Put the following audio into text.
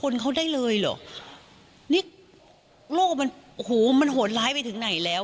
นี่โลกมันโหดร้ายไปถึงไหนแล้ว